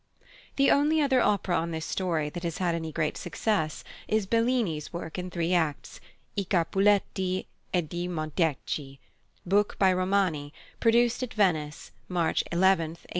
The only other opera on this story that has had any great success is +Bellini's+ work in three acts, I Capuletti ed i Montecchi, book by Romani, produced at Venice, March 11, 1830.